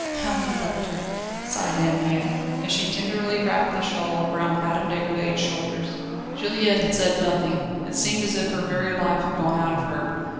"How he loved her!" sighed Anne Mie, as she tenderly wrapped the shawl round Madame Déroulède's shoulders. Juliette had said nothing; it seemed as if her very life had gone out of her.